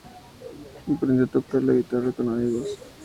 Aprendió a tocar la guitarra con amigos.